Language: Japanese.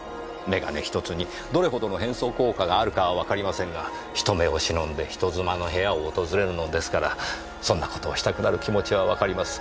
眼鏡１つにどれほどの変装効果があるかはわかりませんが人目を忍んで人妻の部屋を訪れるのですからそんな事をしたくなる気持ちはわかります。